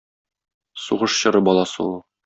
Сугыш чоры баласы ул.